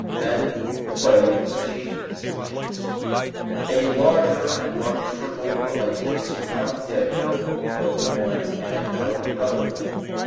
Then the play of associations begins. A larger and larger circle of ideas surrounds the idea of the one and of the other goal.